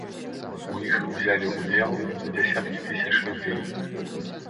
У іх узялі ўдзел дзясяткі тысяч людзей.